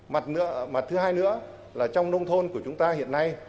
mặt thứ hai nữa là trong nông thôn của chúng ta hiện nay